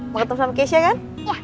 mau ketemu sama keisha kan